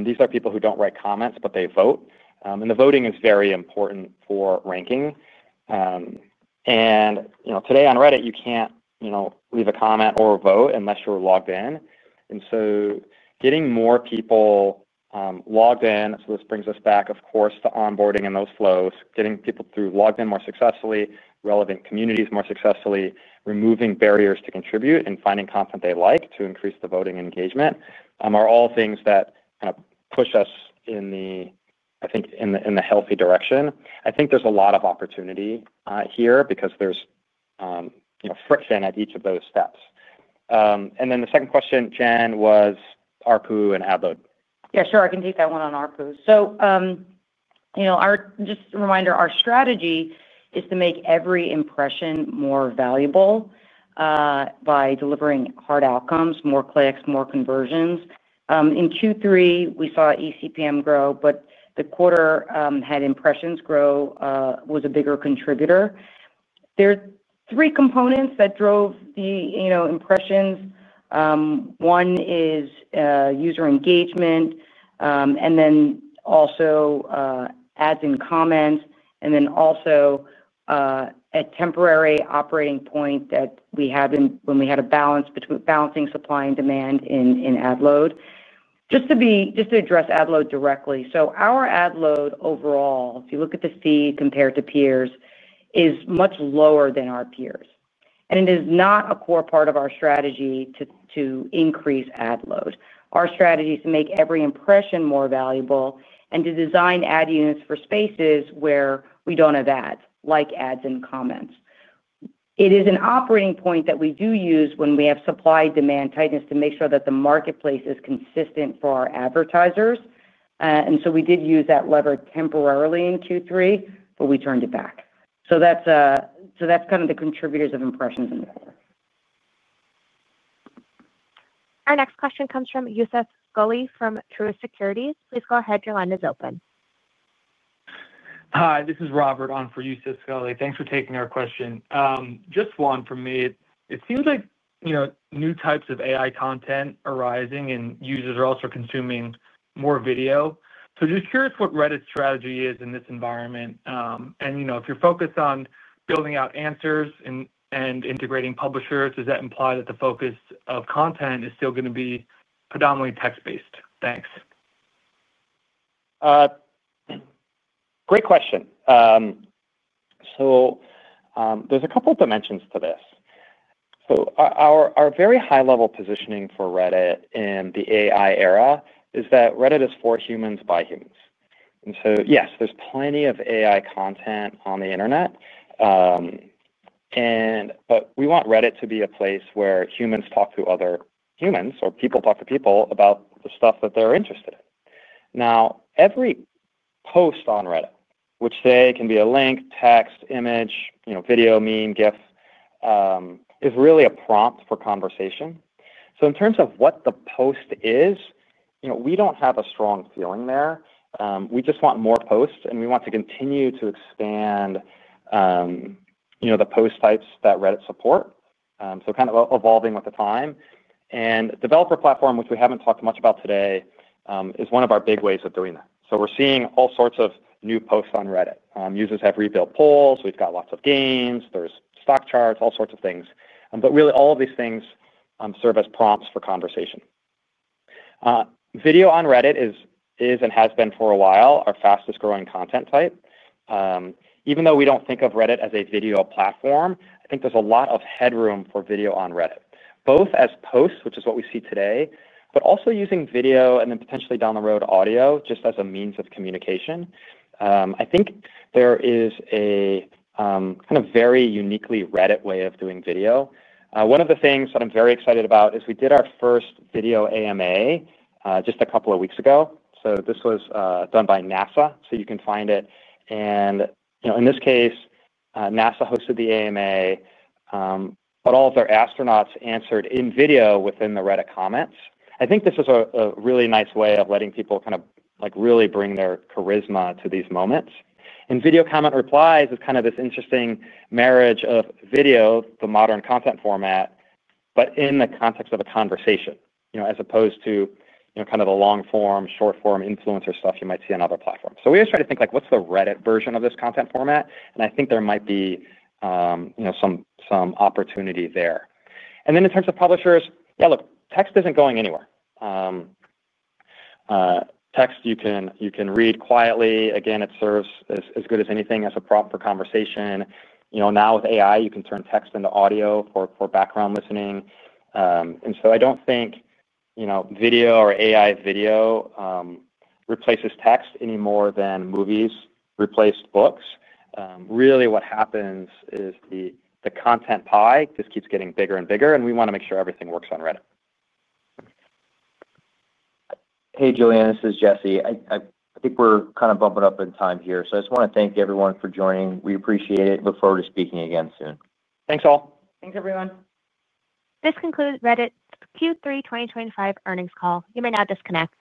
These are people who don't write comments, but they vote. The voting is very important for ranking. Today on Reddit, you can't leave a comment or vote unless you're logged in. Getting more people logged in brings us back, of course, to onboarding and those flows, getting people through logged in more successfully, relevant communities more successfully, removing barriers to contribute, and finding content they like to increase the voting engagement are all things that kind of push us in, I think, in the healthy direction. I think there's a lot of opportunity here because there's friction at each of those steps. The second question, Jen, was ARPU and ad load. Yeah, sure. I can take that one on ARPU. Just a reminder, our strategy is to make every impression more valuable by delivering hard outcomes, more clicks, more conversions. In Q3, we saw ECPM grow, but the quarter had impressions grow was a bigger contributor. There are three components that drove the impressions. One is user engagement, and then also ads in comments, and then also a temporary operating point that we had when we had a balance between balancing supply and demand in ad load. To address ad load directly, our ad load overall, if you look at the feed compared to peers, is much lower than our peers. It is not a core part of our strategy to increase ad load. Our strategy is to make every impression more valuable and to design ad units for spaces where we don't have ads, like ads in comments. It is an operating point that we do use when we have supply-demand tightness to make sure that the marketplace is consistent for our advertisers. We did use that lever temporarily in Q3, but we turned it back. That's kind of the contributors of impressions in the quarter. Our next question comes from Youssef Squali from True Securities. Please go ahead. Your line is open. Hi, this is Robert on for Youssef Squali. Thanks for taking our question. Just one for me. It seems like new types of AI content are rising, and users are also consuming more video. I'm just curious what Reddit's strategy is in this environment. If you're focused on building out answers and integrating publishers, does that imply that the focus of content is still going to be predominantly text-based? Thanks. Great question. There's a couple of dimensions to this. Our very high-level positioning for Reddit in the AI era is that Reddit is for humans by humans. Yes, there's plenty of AI content on the internet, but we want Reddit to be a place where humans talk to other humans or people talk to people about the stuff that they're interested in. Now, every post on Reddit, which can be a link, text, image, video, meme, GIF, is really a prompt for conversation. In terms of what the post is, we don't have a strong feeling there. We just want more posts, and we want to continue to expand the post types that Reddit supports, kind of evolving with the time. Developer platform, which we haven't talked much about today, is one of our big ways of doing that. We're seeing all sorts of new posts on Reddit. Users have rebuilt polls. We've got lots of games. There's stock charts, all sorts of things. All of these things serve as prompts for conversation. Video on Reddit is and has been for a while our fastest-growing content type. Even though we don't think of Reddit as a video platform, I think there's a lot of headroom for video on Reddit, both as posts, which is what we see today, but also using video and then potentially down the road audio just as a means of communication. I think there is a kind of very uniquely Reddit way of doing video. One of the things that I'm very excited about is we did our first video AMA just a couple of weeks ago. This was done by NASA, so you can find it. In this case, NASA hosted the AMA, but all of their astronauts answered in video within the Reddit comments. I think this is a really nice way of letting people kind of really bring their charisma to these moments. Video comment replies is kind of this interesting marriage of video, the modern content format, but in the context of a conversation, as opposed to the long-form, short-form influencer stuff you might see on other platforms. We always try to think, what's the Reddit version of this content format? I think there might be some opportunity there. In terms of publishers, text isn't going anywhere. Text, you can read quietly. Again, it serves as good as anything as a prompt for conversation. Now with AI, you can turn text into audio for background listening. I don't think video or AI video replaces text any more than movies replaced books. What happens is the content pie just keeps getting bigger and bigger, and we want to make sure everything works on Reddit. Hey, Julianne, this is Jesse. I think we're kind of bumping up in time here. I just want to thank everyone for joining. We appreciate it. Look forward to speaking again soon. Thanks, all. Thanks, everyone. This concludes Reddit's Q3 2025 earnings call. You may now disconnect.